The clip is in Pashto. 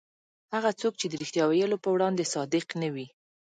هغه څوک چې د رښتیا ویلو په وړاندې صادق نه وي.